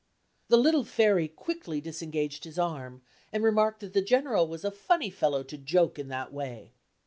The little fairy quickly disengaged his arm, and remarked that the General was a funny fellow to joke in that way.